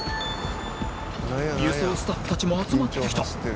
輸送スタッフたちも集まってきた